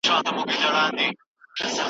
که خلګ کار وکړي، پرمختګ کېږي.